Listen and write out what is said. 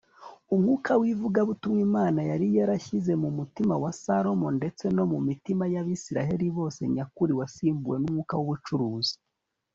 umwuka w'ivugabutumwa imana yari yarashyize mu mutima wa salomo ndetse no mu mitima y'abisirayeli bose nyakuri wasimbuwe n'umwuka w'ubucuruzi